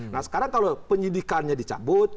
nah sekarang kalau penyidikannya dicabut